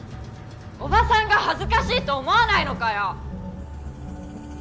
おばさんが恥ずかしいと思わないのかよ？